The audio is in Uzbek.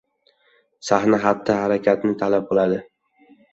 Sahna xatti-harakatni talab qiladi